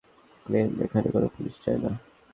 Claim, এখানে কোনো police চাই না।